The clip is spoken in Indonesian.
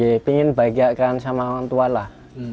iya ingin bagiakan sama orang tua lah